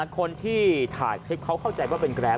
คนที่ถ่ายคลิปเขาเข้าใจว่าเป็นแกรป